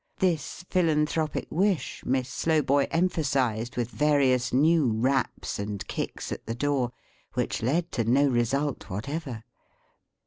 This philanthropic wish, Miss Slowboy emphasised with various new raps and kicks at the door; which led to no result whatever.